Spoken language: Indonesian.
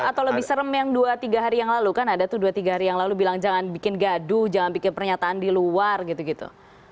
atau lebih serem yang dua tiga hari yang lalu kan ada tuh dua tiga hari yang lalu bilang jangan bikin gaduh jangan bikin pernyataan di luar gitu gitu